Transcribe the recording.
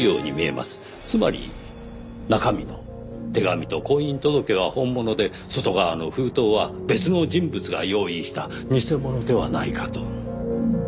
つまり中身の手紙と婚姻届は本物で外側の封筒は別の人物が用意した偽物ではないかと。